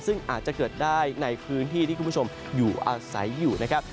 ซึ่งอาจจะเกิดได้ในพื้นที่ที่คุณผู้ชมอยู่อาศัยอยู่นะครับ